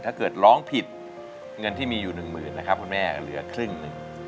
ถ้าเกิดร้องผิดเงินที่มีอยู่หนึ่งหมื่นนะครับคุณแม่เหลือครึ่งหนึ่ง